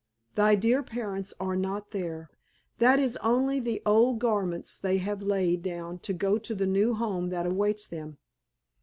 Thy dear parents are not there. That is only the old garments they have laid down to go to the new home that awaits them.